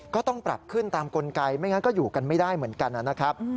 ก็ต้องปรับขึ้นตามกลไกไม่งั้นก็อยู่กันไม่ได้เหมือนกันนะครับ